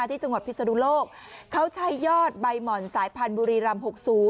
ที่จังหวัดพิศนุโลกเขาใช้ยอดใบหม่อนสายพันธุ์บุรีรำ๖๐